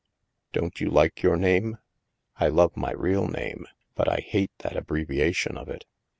" Don't you like your name ?" I love my real name. But I hate that abbrevia tion of it.